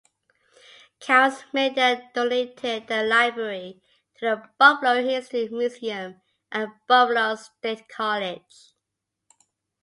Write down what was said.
Cowles Media donated the library to the Buffalo History Museum and Buffalo State College.